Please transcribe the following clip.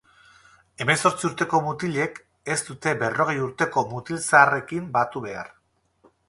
Hemezortzi urteko mutilek ez dute berrogei urteko mutilzaharrekin batu behar.